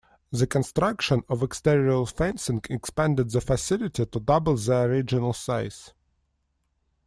The construction of exterior fencing expanded the facility to double the original size.